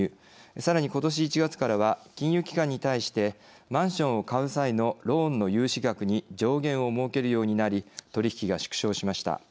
さらにことし１月からは金融機関に対してマンションを買う際のローンの融資額に上限を設けるようになり取り引きが縮小しました。